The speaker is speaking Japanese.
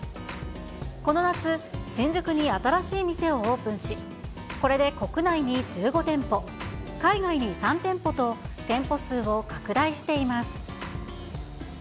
この夏、新宿に新しい店をオープンし、これで国内に１５店舗、海外に３店舗と、店舗数を拡大しています。